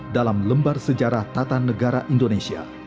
dalam lembar sejarah tata negara indonesia